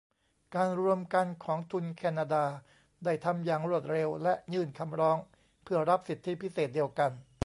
การรวมกันของทุนแคนาดาได้ทำอย่างรวดเร็วและยื่นคำร้องเพื่อรับสิทธิพิเศษเดียวกัน